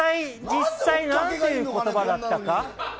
実際、何という言葉だったか。